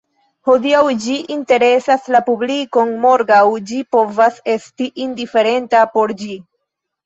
Hodiaŭ ĝi interesas la publikon, morgaŭ ĝi povas esti indiferenta por ĝi.